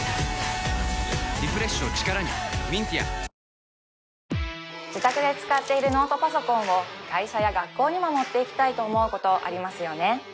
東京海上日動自宅で使っているノートパソコンを会社や学校にも持って行きたいと思うことありますよね